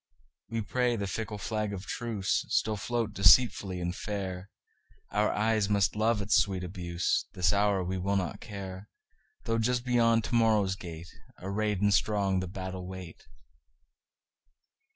We pray the fickle flag of truceStill float deceitfully and fair; Our eyes must love its sweet abuse; This hour we will not care, Though just beyond to morrow's gate, Arrayed and strong, the battle wait.